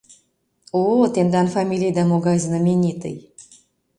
— О, тендан фамилийда могай знаменитый!